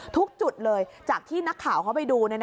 ทุกจุดเลยจากที่นักข่าวเขาไปดู